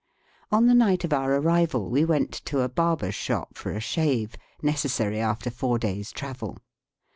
On the night of our arrival we went to a barber's shop for a shave, necessary after four days' travel.